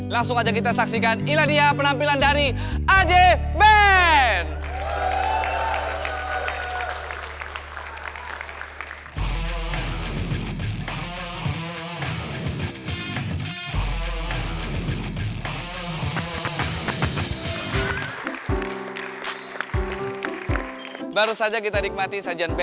langsung aja kita saksikan iladiyah penampilan dari aj band